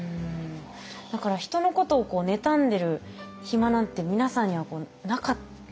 だから人のことを妬んでる暇なんて皆さんにはなかったってことですよね。